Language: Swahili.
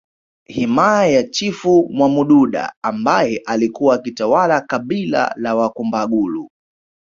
Himaya ya Chifu Mwamududa ambaye alikuwa akitawala kabila la Wakombagulu